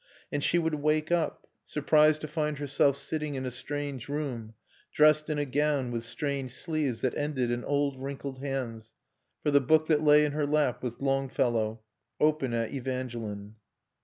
And she would wake up, surprised to find herself sitting in a strange room, dressed in a gown with strange sleeves that ended in old wrinkled hands; for the book that lay in her lap was Longfellow, open at Evangeline.